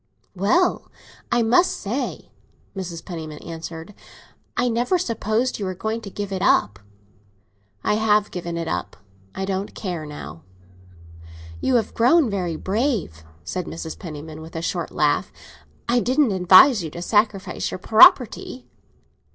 "Well, I must say," Mrs. Penniman answered, "I never supposed you were going to give it up." "I have given it up. I don't care now." "You have grown very brave," said Mrs. Penniman, with a short laugh. "I didn't advise you to sacrifice your property."